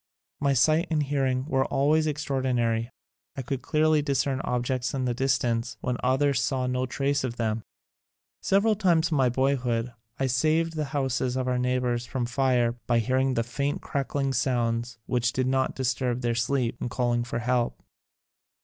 My sight and hearing were always extraord inary. I could clearly discern objects in the distance when others saw no trace of them. Several times in my boyhood I saved the houses of our neighbors from fire by hearing the faint crackling sounds which did not disturb their sleep, and calling for help.